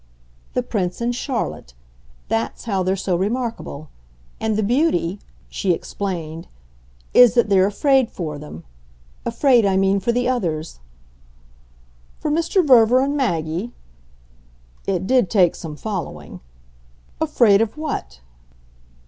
"The Prince and Charlotte. THAT'S how they're so remarkable. And the beauty," she explained, "is that they're afraid for them. Afraid, I mean, for the others." "For Mr. Verver and Maggie?" It did take some following. "Afraid of what?"